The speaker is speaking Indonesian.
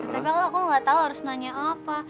tapi aku gak tau harus nanya apa